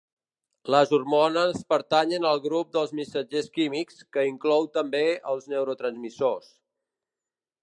Les hormones pertanyen al grup dels missatgers químics, que inclou també als neurotransmissors.